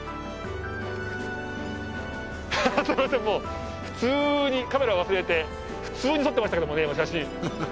もう普通にカメラ忘れて普通に撮ってましたけどもね